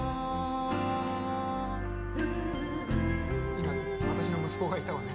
今私の息子がいたわね。